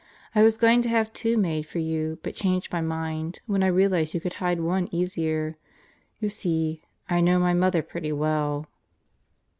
I was going to have two made for you but changed my mind when I realized you could hide one easier. You see, I know my mother pretty well.